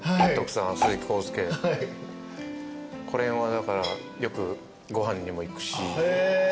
だからよくご飯にも行くし。